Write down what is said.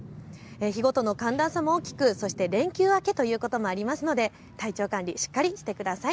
日ごとの寒暖差も大きく連休明けということもあるので体調管理、しっかりしてください。